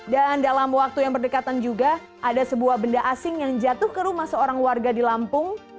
dalam waktu yang berdekatan juga ada sebuah benda asing yang jatuh ke rumah seorang warga di lampung